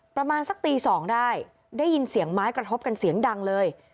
ประมาณสักตี๒ได้ได้ยินเสียงไม้กระทบกันเสียงดังเลย